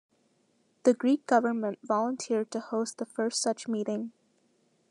The Greek government volunteered to host the first such meeting.